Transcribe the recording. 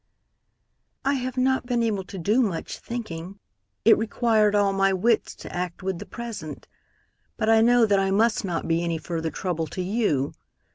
"I have not been able to do much thinking. It required all my wits to act with the present. But I know that I must not be any further trouble to you.